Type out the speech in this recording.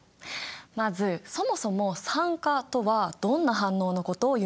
まずそもそも酸化とはどんな反応のことを言うんだっけ？